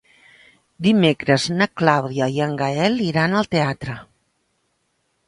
Dimecres na Clàudia i en Gaël iran al teatre.